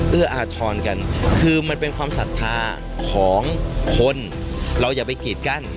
เอื้ออาทรกันคือมันเป็นความศรัทธาของคนเราอย่าไปกีดกั้น